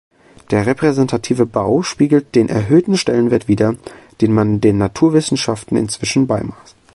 Der repräsentative Bau spiegelt den erhöhten Stellenwert wider, den man den Naturwissenschaften inzwischen beimaß.